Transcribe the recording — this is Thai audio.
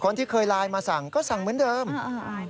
ที่เคยไลน์มาสั่งก็สั่งเหมือนเดิมอ่า